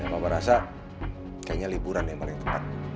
bapak rasa kayaknya liburan yang paling tepat